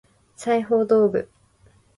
裁縫道具